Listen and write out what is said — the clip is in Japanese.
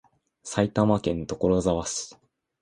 埼玉県所沢市